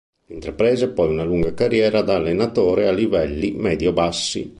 Intraprese poi una lunga carriera da allenatore a livelli medio-bassi.